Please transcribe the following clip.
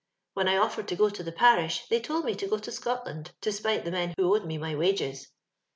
"When I offered to gb to the parish, they told me to go to Scotlsnd, to spite the men who owed me my wages.